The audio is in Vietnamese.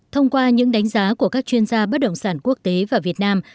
thông qua những đánh giá của các chuyên gia bất động sản quốc tế và việt nam